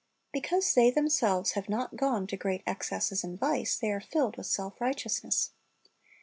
Because they themselves have not gone to great excesses in vice, they are filled with self righteousness.